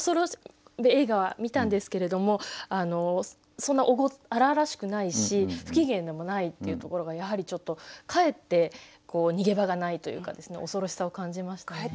映画は見たんですけれどもそんな荒々しくないし不機嫌でもないっていうところがやはりちょっとかえってこう逃げ場がないというかですね恐ろしさを感じましたね。